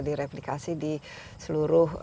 direplikasi di seluruh